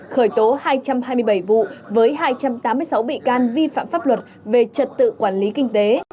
khởi tố hai trăm hai mươi bảy vụ với hai trăm tám mươi sáu bị can vi phạm pháp luật về trật tự quản lý kinh tế